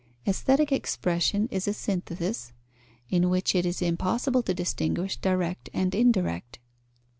Aesthetic expression is a synthesis, in which it is impossible to distinguish direct and indirect.